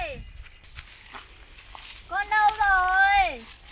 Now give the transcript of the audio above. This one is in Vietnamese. hợp ơi con đâu rồi